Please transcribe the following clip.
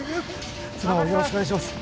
妻をよろしくお願いします！